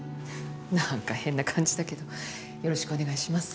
なんか変な感じだけどよろしくお願いします。